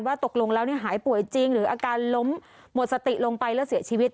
ตกลงแล้วหายป่วยจริงหรืออาการล้มหมดสติลงไปแล้วเสียชีวิต